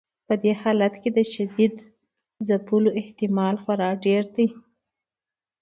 په دې حالت کې د شدید ځپلو احتمال خورا ډیر دی.